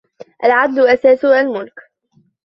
العدل أساس الْمُلْك